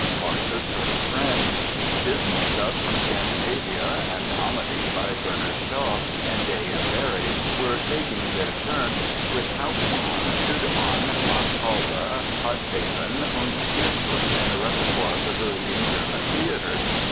Farces from the French, dismal stuff from Scandi navia, and comedies by Bernard Shaw and J. M. Barrie, were taking their turn with Hauptmann, Sudermann, Max Halbe, Hartleben and Schnitzler in the repertoires of the leading German theatres.